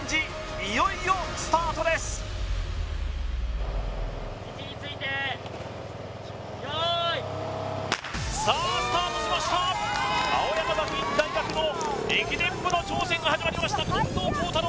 いよいよスタートです・位置について用意さあスタートしました青山学院大学の駅伝部の挑戦が始まりました近藤幸太郎